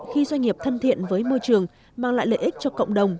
khi doanh nghiệp thân thiện với môi trường mang lại lợi ích cho cộng đồng